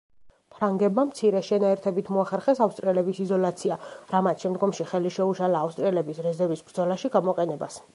ფრანგებმა მცირე შენაერთებით მოახერხეს ავსტრიელების იზოლაცია, რამაც შემდგომში ხელი შეუშალა ავსტრიელების რეზერვის ბრძოლაში გამოყენებას.